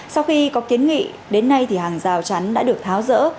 sau khi có kiến nghị đến nay thì hàng rào chắn đã được tháo rỡ